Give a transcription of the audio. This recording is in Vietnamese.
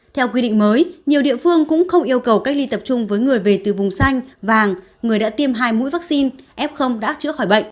theo quy định mới nhiều địa phương cũng không yêu cầu cách ly tập trung với người về từ vùng xanh vàng người đã tiêm hai mũi vaccine f đã chữa khỏi bệnh